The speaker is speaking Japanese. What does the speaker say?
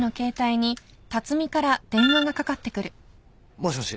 ・もしもし。